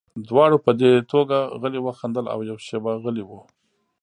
دواړو په دې ټوکه غلي وخندل او یوه شېبه غلي وو